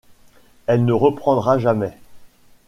Elle ne reprendra jamais.